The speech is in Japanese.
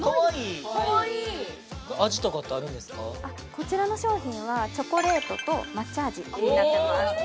こちらの商品はチョコレートと抹茶味になってます